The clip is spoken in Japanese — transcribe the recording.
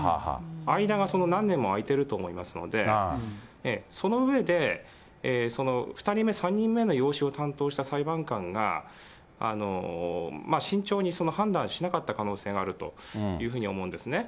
間が何年も開いてると思いますので、その上で、２人目、３人目の養子を担当した裁判官が、慎重に判断しなかった可能性があるというふうに思うんですね。